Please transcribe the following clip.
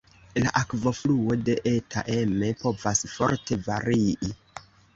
La akvofluo de Eta Emme povas forte varii.